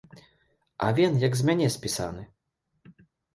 Авен як з мяне спісаны!